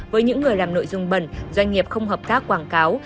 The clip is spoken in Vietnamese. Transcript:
với những người làm nội dung bẩn doanh nghiệp không hợp tác quảng cáo